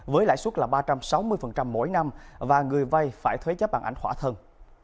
với lãi suất là ba trăm sáu mươi mỗi năm và người vay phải thuế chấp bằng ảnh khỏa thân